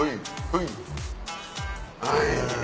はい。